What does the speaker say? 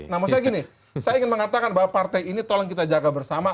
nah maksudnya gini saya ingin mengatakan bahwa partai ini tolong kita jaga bersama